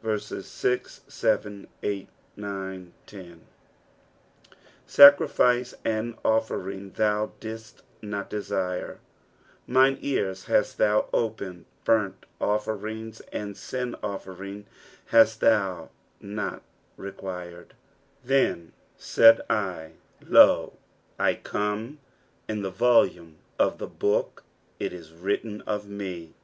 6 Sacrifice and offering thou didst not desire ; mine ears hast thou opened : burnt offering and sin offering hast thou not required. 7 Then said I, Lo, I come : in the volume of the book it is written of me.